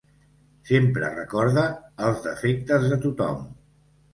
Sempre recorda els defectes de tothom.